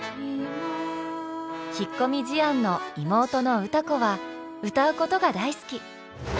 引っ込み思案の妹の歌子は歌うことが大好き。